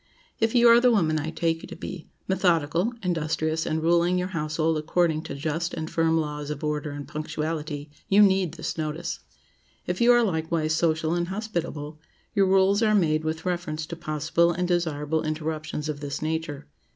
If you are the woman I take you to be—methodical, industrious, and ruling your household according to just and firm laws of order and punctuality, you need this notice. If you are likewise social and hospitable, your rules are made with reference to possible and desirable interruptions of this nature.